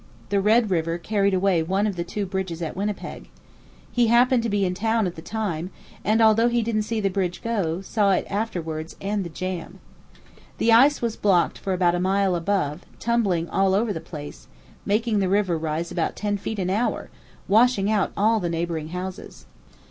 The Red River carried away one of the two bridges at Winnipeg. He happened to be in town at the time, and although he didn't see the bridge go, saw it afterwards and the jam. The ice was blocked for about a mile above, tumbling all over the place, making the river rise about ten feet an hour, washing out all the neighbouring houses.